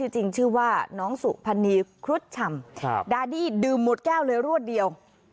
จริงชื่อว่าน้องสุพรรณีครุฑฉ่ำดาดี้ดื่มหมดแก้วเลยรวดเดียว